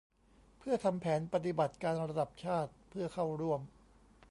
เพื่อทำแผนปฏิบัติการระดับชาติเพื่อเข้าร่วม